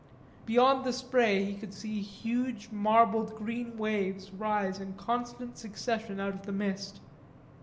Beyond the spray he could see huge marbled green waves rise in constant succession out of the mist.